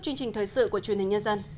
chương trình thời sự của truyền hình nhân dân